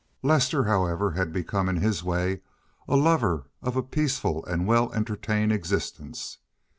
Lester, however, had become in his way a lover of a peaceful and well entertained existence.